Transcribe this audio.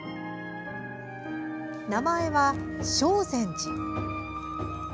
名前は性善寺。